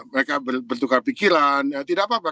mereka bertukar pikiran ya tidak apa apa